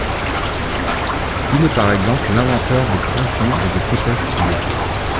Il est par exemple l'inventeur des crampons et des protèges tibias.